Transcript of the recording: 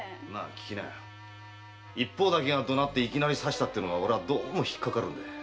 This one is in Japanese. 一方だけが怒鳴っていきなり刺したってのが俺はどうも引っかかるんだ。